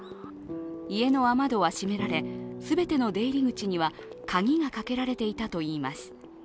家の雨戸は閉められ、全ての出入り口には鍵がかけられていたといいます。